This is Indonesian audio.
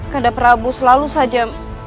kandang prabu selalu saja